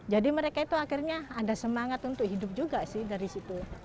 jadi mereka itu akhirnya ada semangat untuk hidup juga sih dari situ